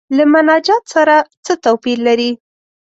له مناجات سره څه توپیر لري.